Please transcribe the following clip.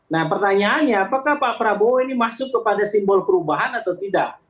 nah pertanyaannya apakah pak prabowo ini masuk kepada simbol perubahan atau tidak